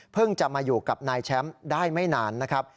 จะมาอยู่กับนายแชมป์ได้ไม่นานนะครับ